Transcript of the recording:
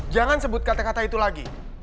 jangan sebut kata kata itu lagi